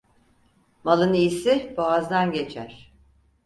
Malın iyisi boğazdan geçer.